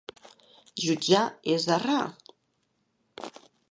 Jutjar és errar.